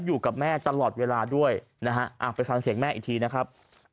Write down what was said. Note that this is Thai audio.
อยู่กับแม่ตลอดเวลาด้วยนะฮะไปฟังเสียงแม่อีกทีนะครับ